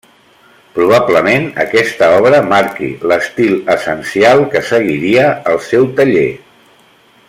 Probablement aquesta obra marqui l'estil essencial que seguiria el seu taller.